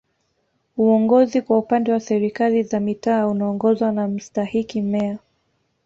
Uongozi kwa upande wa Serikali za Mitaa unaongozwa na Mstahiki Meya